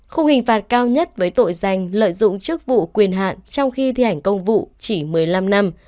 khung hình phạt cao nhất với tội danh lợi dụng chức vụ quyền hạn trong khi thi hành công vụ chỉ một mươi năm năm